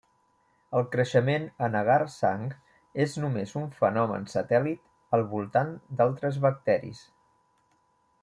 El creixement en agar sang és només un fenomen satèl·lit al voltant d'altres bacteris.